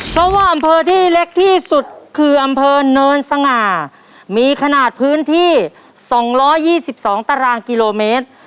เพราะว่าอำเภอที่เล็กที่สุดคืออำเภอเนินสง่ามีขนาดพื้นที่๒๒ตารางกิโลเมตร